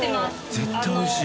絶対おいしい。